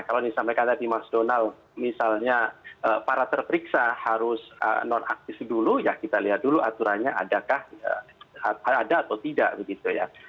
kalau disampaikan tadi mas donald misalnya para terperiksa harus non aktif dulu ya kita lihat dulu aturannya adakah ada atau tidak begitu ya